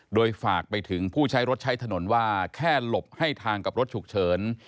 โดยฝากไปถึงผู้ใช้รถใช้ถนนว่าแค่หลบให้ทางกับรถฉุกเฉิน